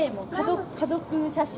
家族写真。